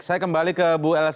saya kembali ke bu elsa